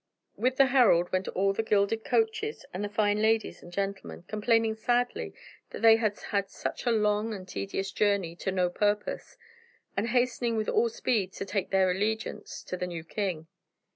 With the herald went all the gilded coaches and the fine ladies and gentlemen, complaining sadly that they had had such a long and tedious journey to no purpose, and hastening with all speed to take their allegiance to the new king.